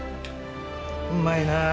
うまいなあ。